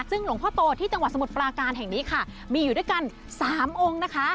ซึ่งหลวงพ่อโตที่จังหวัดสมุทรปราการแห่งนี้ค่ะมีอยู่ด้วยกัน๓องค์นะคะ